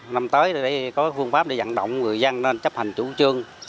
năm tới để có phương pháp để dặn động người dân nên chấp hành chủ trương